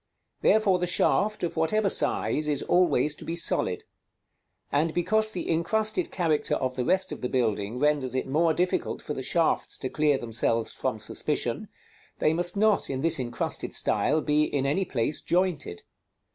Therefore the shaft, of whatever size, is always to be solid; and because the incrusted character of the rest of the building renders it more difficult for the shafts to clear themselves from suspicion, they must not, in this incrusted style, be in any place jointed.